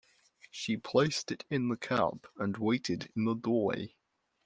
She placed it in the cab and waited in the doorway.